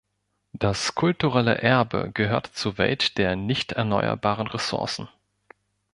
Das kulturelle Erbe gehört zur Welt der nicht erneuerbaren Ressourcen.